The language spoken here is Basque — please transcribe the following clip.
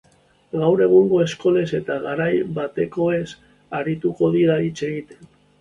Gaur egungo eskolez eta garai batekoez arituko dira hitz egiten.